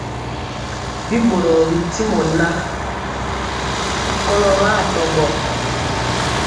Bi ɓorɔɔ ntimɔ ŋan, kɔlo atɔmbɔ.